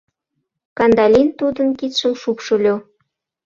Кандалин тудын кидшым шупшыльо.